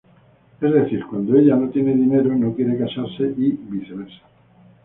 Es decir, cuando ella no tiene dinero, no quiere casarse y viceversa.